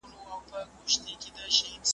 آیا دغه عقاید په اروپا کي ومنل سول؟